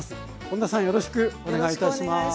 本田さんよろしくお願いいたします。